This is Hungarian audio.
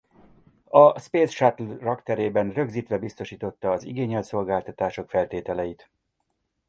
A Space Shuttle rakterébe rögzítve biztosította az igényelt szolgáltatások feltételeit.